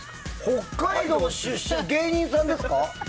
北海道出身の芸人さんですか？